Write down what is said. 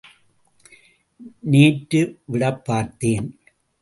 நேற்று விடப் பார்த்தேன்.